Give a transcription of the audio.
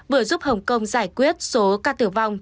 vừa giúp hồng kông giải quyết số ca tử vong